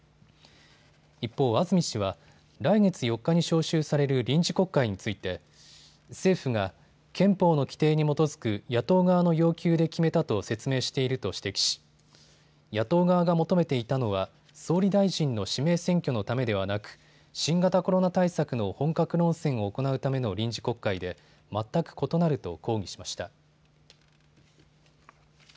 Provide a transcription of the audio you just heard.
一方、安住氏は来月４日に召集される臨時国会について政府が憲法の規定に基づく野党側の要求で決めたと説明していると指摘し、野党側が求めていたのは総理大臣の指名選挙のためではなく新型コロナ対策の本格論戦を行うための臨時国会で全く異なると抗議しました。